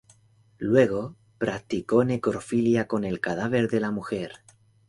Luego, practicó necrofilia con el cadáver de la mujer.